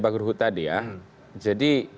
bang ruhut tadi ya jadi